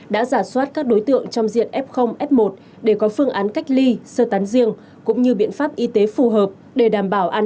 đã giả soát các đối tượng trong diện f f một để có phương án cách ly sơ tán riêng cũng như biện pháp y tế phù hợp để đảm bảo an toàn